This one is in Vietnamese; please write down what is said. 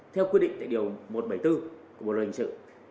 theo quyết định tại điều một trăm bảy mươi bốn của bộ rình sự